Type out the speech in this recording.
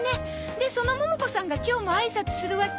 でそのモモ子さんが今日もあいさつするわけ？